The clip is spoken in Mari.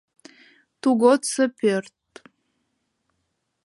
Тугодсо пӧрт…